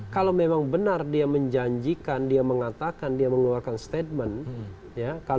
kalau memang benar dia menjanjikan dia mengatakan dia mengeluarkan statement